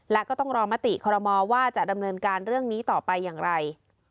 และก็ต้องรอมติคอรมอว่าจะดำเนินการเรื่องนี้ต่อไปอย่างไร